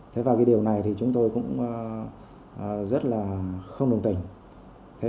thế và cái điều này thì chúng tôi cũng rất là không đồng tình